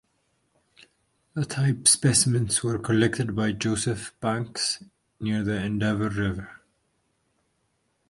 The type specimens were collected by Joseph Banks near the Endeavour River.